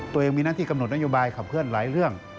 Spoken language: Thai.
ตัวเองมีหน้าที่กำหนดนโยบายขับเคลื่อนหลายเรื่อง